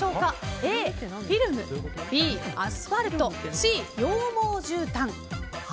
Ａ、フィルムＢ、アスファルトＣ、羊毛じゅうたん。